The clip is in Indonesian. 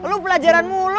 lo pelajaran mulu